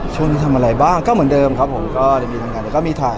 ช่วงนี้ทำอะไรบ้างก็เหมือนเดิมครับผมก็จะมีทำงานแต่ก็มีถ่าย